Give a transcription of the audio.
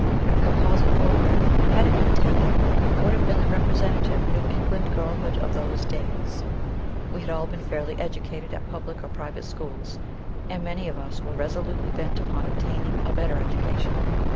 Our composite photograph, had it been taken, would have been the representative New England girlhood of those days. We had all been fairly educated at public or private schools, and many of us were resolutely bent upon obtaining a better education.